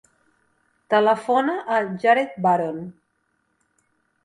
Telefona al Jared Buron.